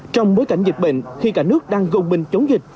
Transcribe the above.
trong bối cảnh dịch bệnh khi cả nước đang gồng mình chống dịch